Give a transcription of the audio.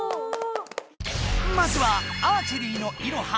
まずは「アーチェリーのいろは」